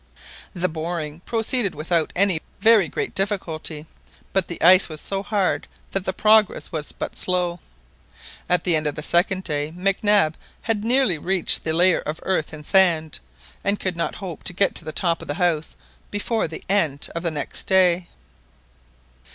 The boring proceeded without any very great difficulty, but the ice was so hard that the progress was but slow. At the end of the second day Mac Nab had nearly reached the layer of earth and sand, and could not hope to get to the top of the house before the end of the next day.